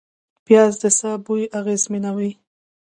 پیاز د ساه بوی اغېزمنوي